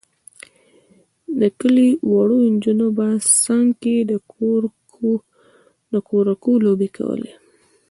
د کلي وړو نجونو به څنګ کې د کورکو لوبې کولې.